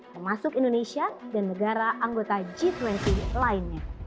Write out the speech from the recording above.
termasuk indonesia dan negara anggota g dua puluh lainnya